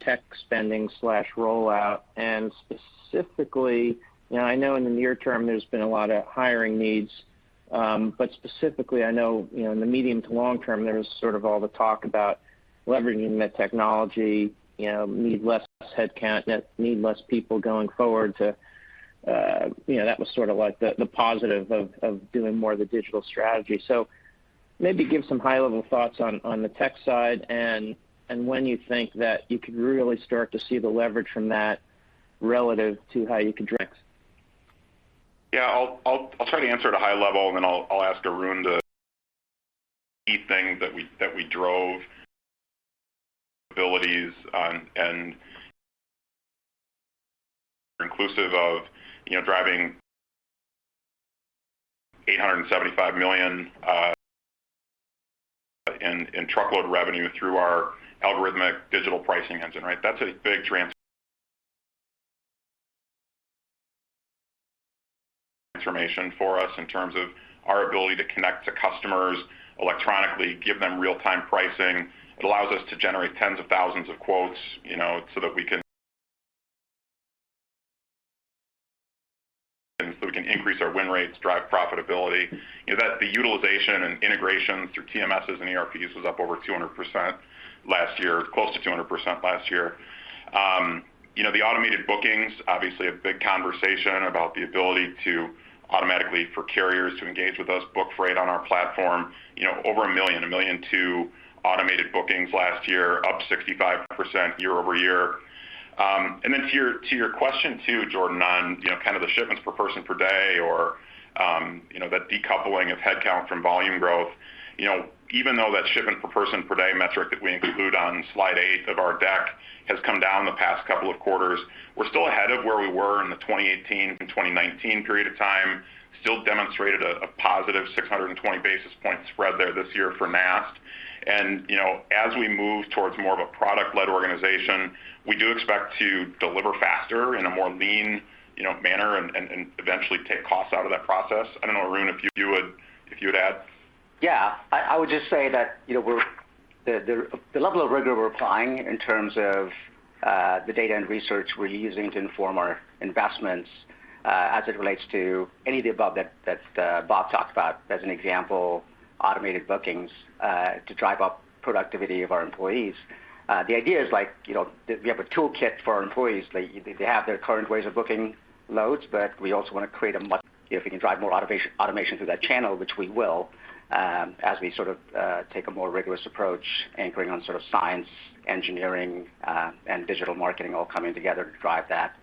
tech spending slash rollout. Specifically, now I know in the near term, there's been a lot of hiring needs. Specifically, I know, you know, in the medium to long term, there's sort of all the talk about leveraging the technology, you know, need less headcount, need less people going forward to, you know, that was sort of like the positive of doing more of the digital strategy. Maybe give some high-level thoughts on the tech side and when you think that you could really start to see the leverage from that relative to how you can drive. Yeah. I'll try to answer at a high level and then I'll ask Arun to. The key thing that we drove visibility on and inclusive of, you know, driving $875 million in truckload revenue through our algorithmic digital pricing engine, right? That's a big transformation for us in terms of our ability to connect to customers electronically, give them real-time pricing. It allows us to generate tens of thousands of quotes, you know, so that we can increase our win rates, drive profitability. You know that the utilization and integration through TMSs and ERPs was up over 200% last year, close to 200% last year. You know, the automated bookings, obviously a big conversation about the ability to automatically for carriers to engage with us, book freight on our platform, you know, over a million, 1.2 million automated bookings last year, up 65% year over year. To your question too, Jordan, you know, kind of the shipments per person per day or, you know, the decoupling of headcount from volume growth. You know, even though that shipment per person per day metric that we include on slide eight of our deck has come down the past couple of quarters, we're still ahead of where we were in the 2018 to 2019 period of time. Still demonstrated a positive 620 basis point spread there this year for NAST. You know, as we move towards more of a product-led organization, we do expect to deliver faster in a more lean, you know, manner and eventually take costs out of that process. I don't know, Arun, if you would add. Yeah, I would just say that, you know, the level of rigor we're applying in terms of the data and research we're using to inform our investments, as it relates to any of the above that Bob talked about as an example, automated bookings to drive up productivity of our employees. The idea is like, you know, we have a toolkit for our employees. They have their current ways of booking loads, but we also want to, if we can, drive more automation through that channel, which we will, as we sort of take a more rigorous approach anchoring on sort of science, engineering, and digital marketing all coming together to drive that,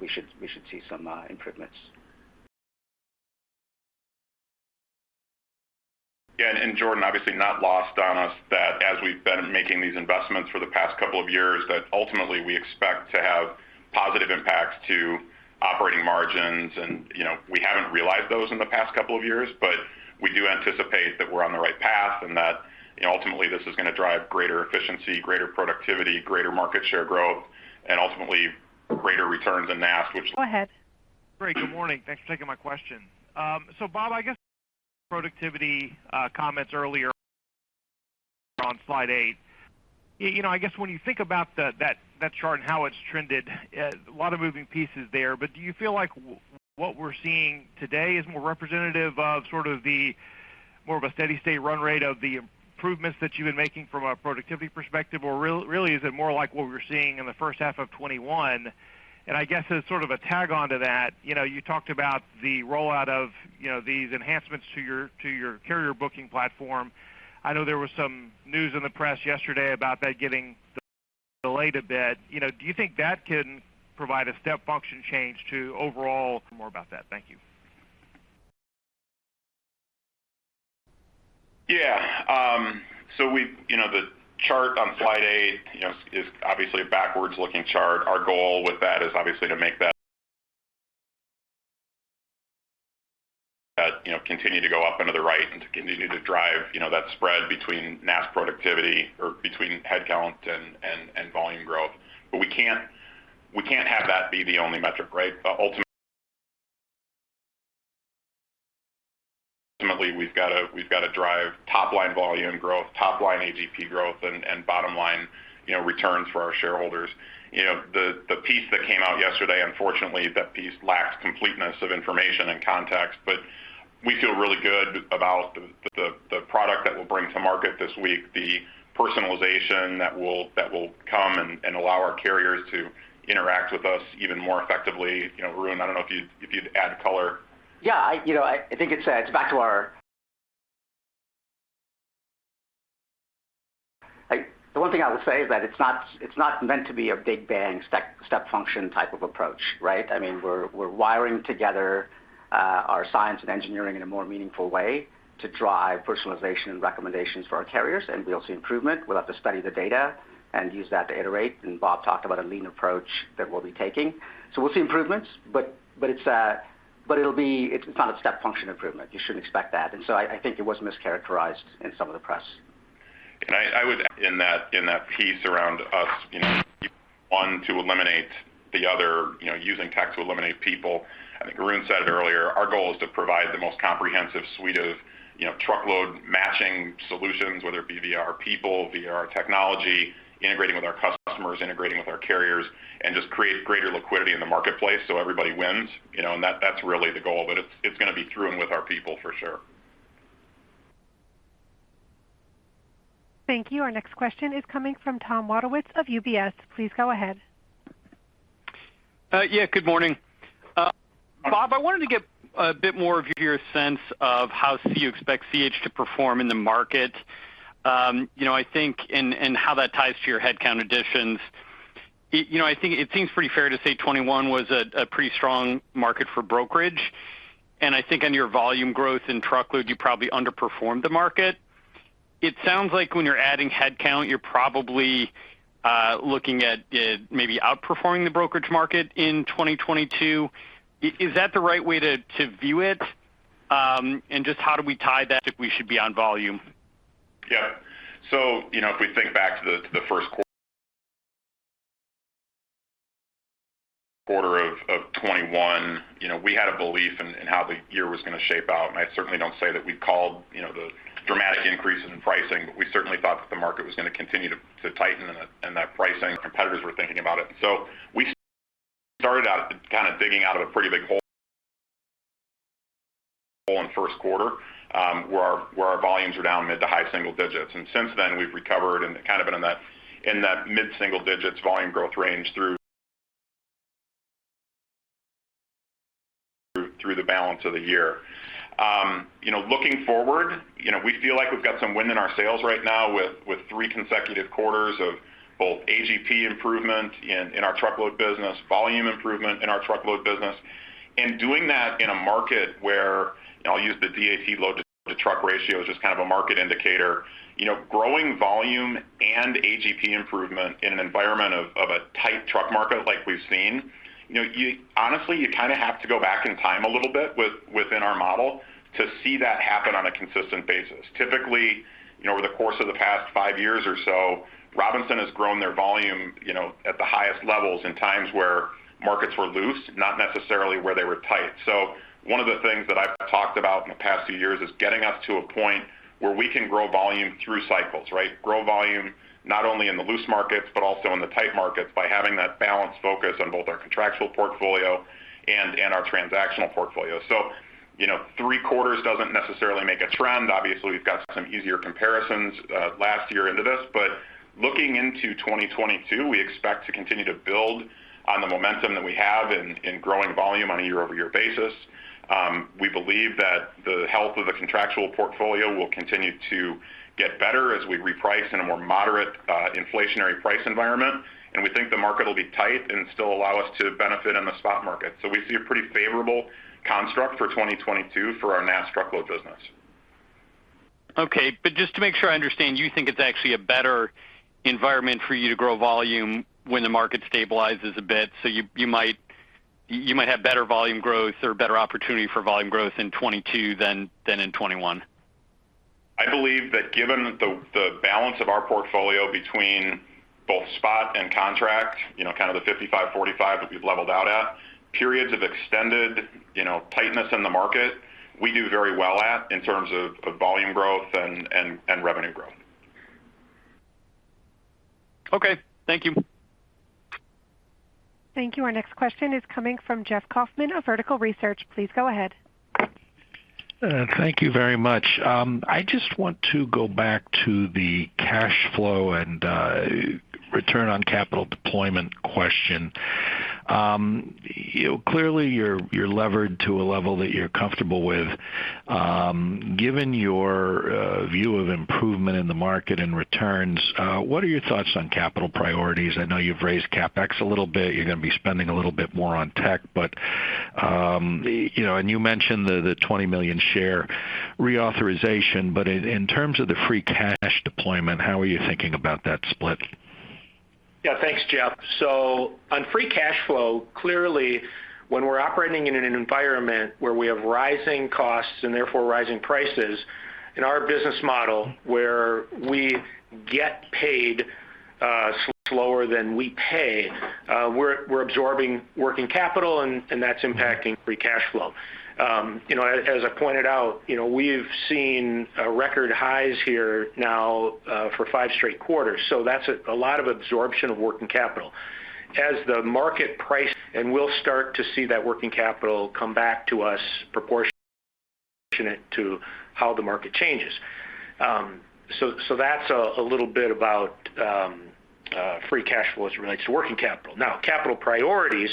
we should see some improvements. Yeah. Jordan, obviously not lost on us that as we've been making these investments for the past couple of years, that ultimately we expect to have positive impacts to operating margins. You know, we haven't realized those in the past couple of years, but we do anticipate that we're on the right path and that, you know, ultimately this is going to drive greater efficiency, greater productivity, greater market share growth, and ultimately greater returns in NAST, which- Go ahead. Great. Good morning. Thanks for taking my question. So Bob, I guess productivity comments earlier on slide eight. You know, I guess when you think about that chart and how it's trended, a lot of moving pieces there, but do you feel like what we're seeing today is more representative of sort of the more of a steady-state run rate of the improvements that you've been making from a productivity perspective? Or really, is it more like what we were seeing in the first half of 2021? And I guess as sort of a tag on to that, you know, you talked about the rollout of these enhancements to your carrier booking platform. I know there was some news in the press yesterday about that getting delayed a bit. You know, do you think that can provide a step function change to overall more about that? Thank you. Yeah. You know, the chart on slide eight, you know, is obviously a backward-looking chart. Our goal with that is obviously to make that, you know, continue to go up and to the right and to continue to drive that spread between NAST productivity and headcount and volume growth. We can't have that be the only metric, right? Ultimately, we've got to drive top line volume growth, top line AGP growth and bottom line, you know, returns for our shareholders. You know, the piece that came out yesterday, unfortunately, that piece lacks completeness of information and context, but we feel really good about the product that we'll bring to market this week, the personalization that will come and allow our carriers to interact with us even more effectively. You know, Arun, I don't know if you'd add color. Yeah. I think it's back to our. Like, the one thing I would say is that it's not meant to be a big bang step function type of approach, right? I mean, we're wiring together our science and engineering in a more meaningful way to drive personalization and recommendations for our carriers, and we'll see improvement. We'll have to study the data and use that to iterate, and Bob talked about a lean approach that we'll be taking. So we'll see improvements, but it'll be. It's not a step function improvement. You shouldn't expect that. I think it was mischaracterized in some of the press. I wouldn't, in that piece around us, you know, want to eliminate the other, you know, using tech to eliminate people. I think Arun said it earlier. Our goal is to provide the most comprehensive suite of, you know, truckload matching solutions, whether it be via our people, via our technology, integrating with our customers, integrating with our carriers, and just create greater liquidity in the marketplace so everybody wins. You know, and that's really the goal. It's going to be through and with our people for sure. Thank you. Our next question is coming from Tom Wadewitz of UBS. Please go ahead. Yeah, good morning. Bob, I wanted to get a bit more of your sense of how you expect C.H. to perform in the market. You know, I think in how that ties to your headcount additions. You know, I think it seems pretty fair to say 2021 was a pretty strong market for brokerage. I think on your volume growth in truckload, you probably underperformed the market. It sounds like when you're adding headcount, you're probably looking at maybe outperforming the brokerage market in 2022. Is that the right way to view it? And just how do we tie that if we should be on volume? Yeah. You know, if we think back to the first quarter of 2021, you know, we had a belief in how the year was going to shape out. I certainly don't say that we called, you know, the dramatic increases in pricing, but we certainly thought that the market was going to continue to tighten and that pricing competitors were thinking about it. We started out kind of digging out of a pretty big hole in first quarter, where our volumes were down mid- to high-single digits. Since then, we've recovered and kind of been in that mid-single digits volume growth range through the balance of the year. You know, looking forward, you know, we feel like we've got some wind in our sails right now with three consecutive quarters of both AGP improvement in our truckload business, volume improvement in our truckload business, and doing that in a market where, you know, I'll use the DAT load to truck ratio as just kind of a market indicator. You know, growing volume and AGP improvement in an environment of a tight truck market like we've seen, you know, you honestly, you kind of have to go back in time a little bit within our model to see that happen on a consistent basis. Typically, you know, over the course of the past five years or so, Robinson has grown their volume, you know, at the highest levels in times where markets were loose, not necessarily where they were tight. So One of the things that I've talked about in the past few years is getting us to a point where we can grow volume through cycles, right, grow volume not only in the loose markets but also in the tight markets by having that balanced focus on both our contractual portfolio and our transactional portfolio. You know, three quarters doesn't necessarily make a trend. Obviously, we've got some easier comparisons last year into this. Looking into 2022, we expect to continue to build on the momentum that we have in growing volume on a year-over-year basis. We believe that the health of the contractual portfolio will continue to get better as we reprice in a more moderate inflationary price environment. We think the market will be tight and still allow us to benefit in the spot market. We see a pretty favorable construct for 2022 for our NAST truckload business. Okay. Just to make sure I understand, you think it's actually a better environment for you to grow volume when the market stabilizes a bit. You might have better volume growth or better opportunity for volume growth in 2022 than in 2021. I believe that given the balance of our portfolio between both spot and contract, you know, kind of the 55-45 that we've leveled out at, periods of extended, you know, tightness in the market, we do very well in terms of volume growth and revenue growth. Okay. Thank you. Thank you. Our next question is coming from Jeff Kauffman of Vertical Research. Please go ahead. Thank you very much. I just want to go back to the cash flow and return on capital deployment question. Clearly, you're levered to a level that you're comfortable with. Given your view of improvement in the market and returns, what are your thoughts on capital priorities? I know you've raised CapEx a little bit. You're going to be spending a little bit more on tech. You know, and you mentioned the 20 million share reauthorization. In terms of the free cash deployment, how are you thinking about that split? Yeah, thanks, Jeff. On free cash flow, clearly, when we're operating in an environment where we have rising costs and therefore rising prices, in our business model where we get paid slower than we pay, we're absorbing working capital, and that's impacting free cash flow. You know, as I pointed out, you know, we've seen record highs here now for five straight quarters. That's a lot of absorption of working capital. As the market price, and we'll start to see that working capital come back to us proportionate to how the market changes. So that's a little bit about free cash flow as it relates to working capital. Now, capital priorities,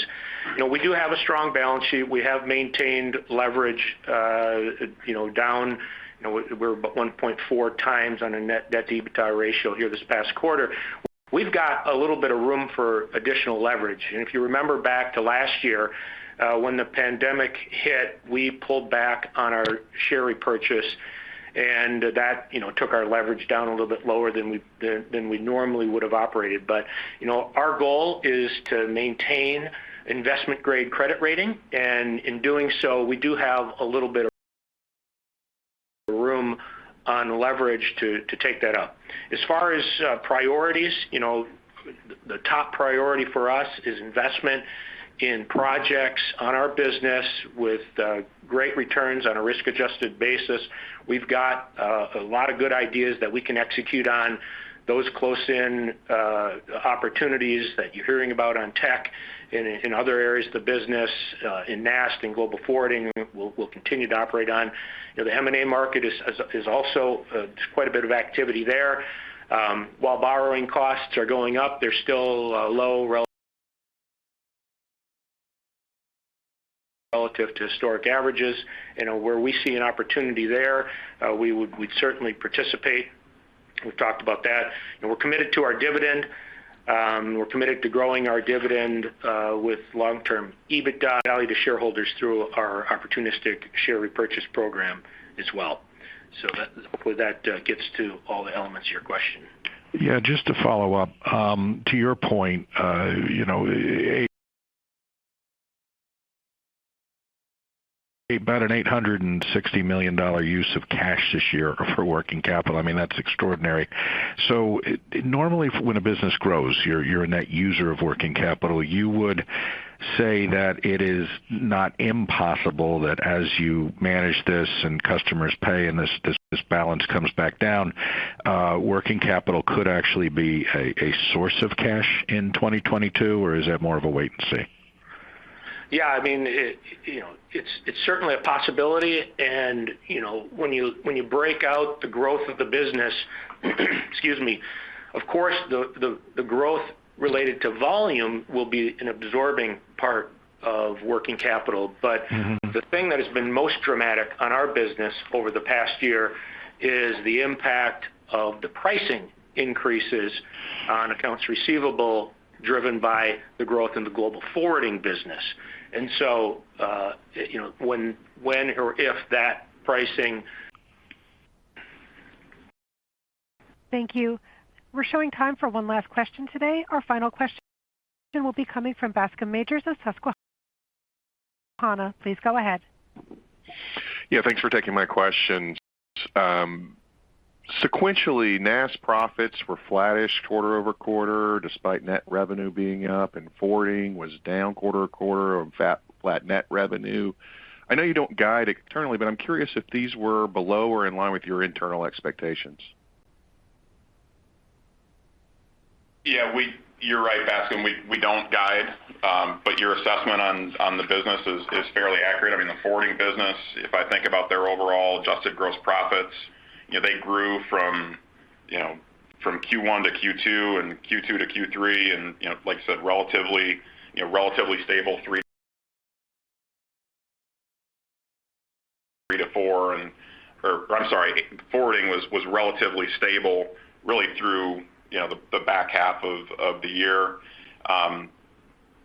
you know, we do have a strong balance sheet. We have maintained leverage, you know, down. We're about 1.4 times on a net debt-to-EBITDA ratio here this past quarter. We've got a little bit of room for additional leverage. If you remember back to last year, when the pandemic hit, we pulled back on our share repurchase, and that took our leverage down a little bit lower than we normally would have operated. Our goal is to maintain investment-grade credit rating. In doing so, we do have a little bit of room on leverage to take that up. As far as priorities, the top priority for us is investment in projects on our business with great returns on a risk-adjusted basis. We've got a lot of good ideas that we can execute on those close-in opportunities that you're hearing about on tech in other areas of the business in NAST, in global forwarding. We'll continue to operate on. You know, the M&A market is also. There's quite a bit of activity there. While borrowing costs are going up, they're still low relative to historic averages. You know, where we see an opportunity there, we'd certainly participate. We've talked about that. We're committed to our dividend. We're committed to growing our dividend with long-term EBITDA value to shareholders through our opportunistic share repurchase program as well. That hopefully gets to all the elements of your question. Yeah, just to follow up. To your point, about an $860 million use of cash this year for working capital. I mean, that's extraordinary. Normally, when a business grows, you're a net user of working capital. You would say that it is not impossible that as you manage this and customers pay and this balance comes back down, working capital could actually be a source of cash in 2022, or is that more of a wait and see? Yeah, I mean, you know, it's certainly a possibility. You know, when you break out the growth of the business, excuse me, of course, the growth related to volume will be an absorbing part of working capital. The thing that has been most dramatic on our business over the past year is the impact of the pricing increases on accounts receivable driven by the growth in the global forwarding business. You know, when or if that pricing- Thank you. We're showing time for one last question today. Our final question will be coming from Bascome Majors of Susquehanna. Please go ahead. Yeah, thanks for taking my question. Sequentially, NAST profits were flattish quarter-over-quarter despite net revenue being up, and forwarding was down quarter-over-quarter on flat net revenue. I know you don't guide internally, but I'm curious if these were below or in line with your internal expectations. Yeah, you're right, Bascom. We don't guide, but your assessment on the business is fairly accurate. I mean, the forwarding business, if I think about their overall adjusted gross profits, you know, they grew from Q1 to Q2 and Q2 to Q3. Like you said, relatively stable three to four, or I'm sorry, forwarding was relatively stable really through the back half of the year.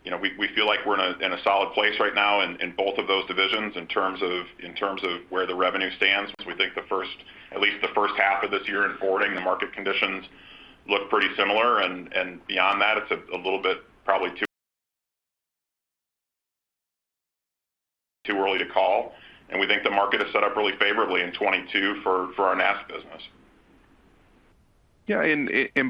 You know, we feel like we're in a solid place right now in both of those divisions in terms of where the revenue stands. Because we think at least the first half of this year in forwarding, the market conditions look pretty similar. Beyond that, it's a little bit probably too early to call. We think the market is set up really favorably in 2022 for our NAST business. Yeah.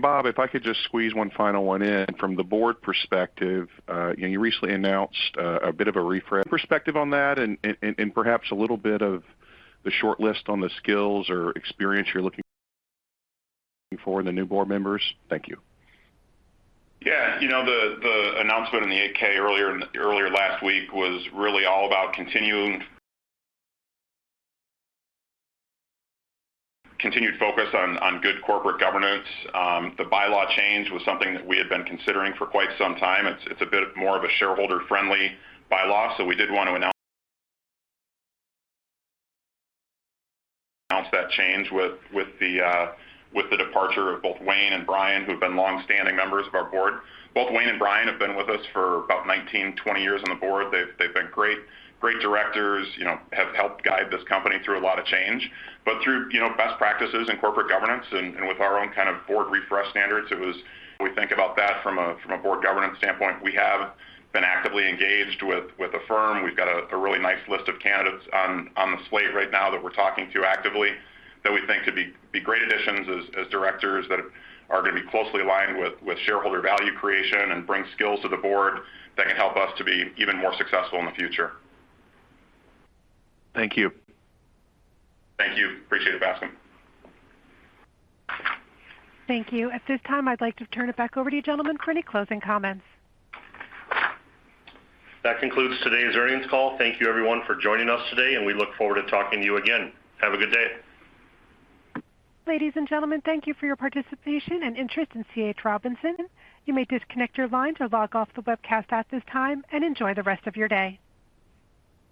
Bob, if I could just squeeze one final one in. From the board perspective, you know, you recently announced a bit of a refresh. Your perspective on that and perhaps a little bit of the short list on the skills or experience you're looking for in the new board members. Thank you. Yeah, you know, the announcement in the 8-K earlier last week was really all about continued focus on good corporate governance. The bylaw change was something that we had been considering for quite some time. It's a bit more of a shareholder friendly bylaw, so we did want to announce that change with the departure of both Wayne and Brian, who have been longstanding members of our board. Both Wayne and Brian have been with us for about 19-20 years on the board. They've been great directors, you know, have helped guide this company through a lot of change, but through best practices and corporate governance and with our own kind of board refresh standards, it was. We think about that from a board governance standpoint. We have been actively engaged with a firm. We've got a really nice list of candidates on the slate right now that we're talking to actively that we think could be great additions as directors that are going to be closely aligned with shareholder value creation and bring skills to the board that can help us to be even more successful in the future. Thank you. Thank you. Appreciate it, Bascome. Thank you. At this time, I'd like to turn it back over to you, gentlemen, for any closing comments. That concludes today's earnings call. Thank you everyone for joining us today, and we look forward to talking to you again. Have a good day. Ladies and gentlemen, thank you for your participation and interest in C.H. Robinson. You may disconnect your line or log off the webcast at this time and enjoy the rest of your day.